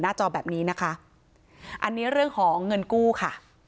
จอแบบนี้นะคะอันนี้เรื่องของเงินกู้ค่ะ